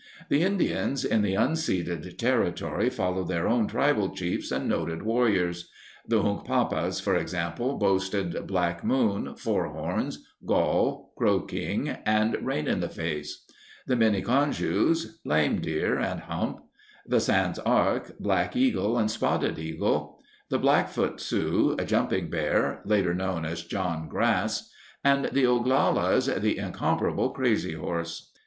The Indians in the unceded territory followed their own tribal chiefs and noted warriors. The Hunkpapas, for example, boasted Black Moon, Four Horns, Gall, Crow King, and Rain in the Face; the Miniconjous, Lame Deer and Hump; the Sans Arc, Black Eagle and Spotted Eagle; the Blackfoot Sioux, Jumping Bear (later known as John Grass); and the Oglalas, the incomparable Crazy Horse.